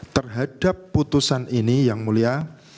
terhadap putusan ini yang mulia